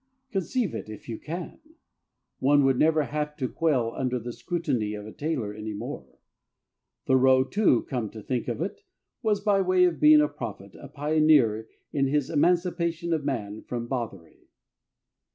Conceive it, if you can! One would never have to quail under the scrutiny of a tailor any more. Thoreau, too, come to think of it, was, by way of being a prophet, a pioneer in this Emancipation of Man from Bothery.